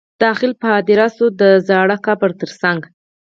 داخل په هدیره شو د زاړه قبر تر څنګ.